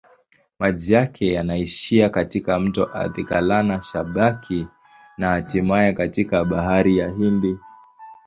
Maji yake yanaishia katika mto Athi-Galana-Sabaki na hatimaye katika Bahari ya Hindi.